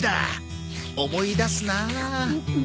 思い出すなあ。